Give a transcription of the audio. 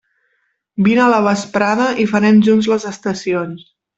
Vine a la vesprada i farem junts les estacions.